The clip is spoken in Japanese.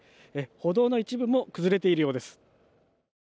歩道の一部も崩れているようです。